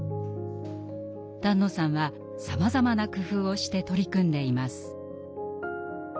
丹野さんはさまざまな工夫をして取り組んでいます。